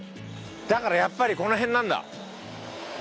だからやっぱりこの辺なんだ。